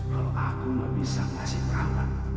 kalau aku gak bisa ngasih perawatan